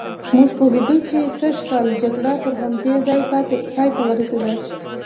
موږ پوهېدو چې د سږ کال جګړه پر همدې ځای پایته ورسېده.